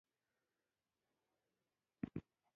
بوتل د څښاکو سره تعلق لري.